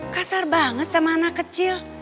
kasar banget sama anak kecil